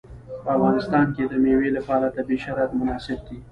په افغانستان کې د مېوې لپاره طبیعي شرایط مناسب دي.